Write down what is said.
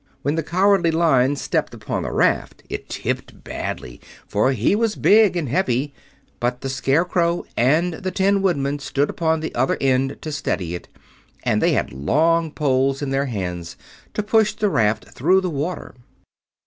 When the Cowardly Lion stepped upon the raft it tipped badly, for he was big and heavy; but the Scarecrow and the Tin Woodman stood upon the other end to steady it, and they had long poles in their hands to push the raft through the water.